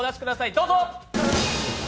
どうぞ。